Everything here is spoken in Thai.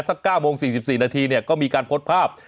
สัก๙โมง๔๔นาทีเนี่ยก็มีการโพสต์ภาพ